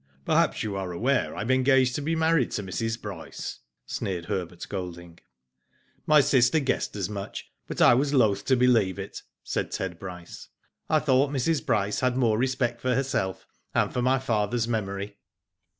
" Perhaps you are aware I am engaged to be married to Mrs. Bryce," sneered Herbert Golding. " My sister guessed as much, but I was loth lo believe it," said Ted Bryce. " I thought Mrs. Bryce had more respect for herself and for my father's memory."